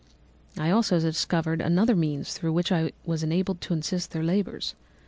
"I discovered also another means through which I was enabled to assist their labours.